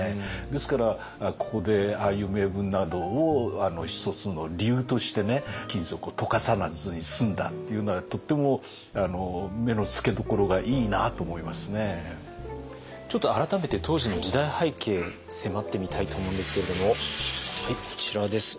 ですからここでああいう銘文などを一つの理由として金属を溶かさずに済んだっていうのはとってもちょっと改めて当時の時代背景迫ってみたいと思うんですけれどもはいこちらです。